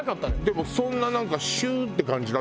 でもそんななんかシューッて感じだったの？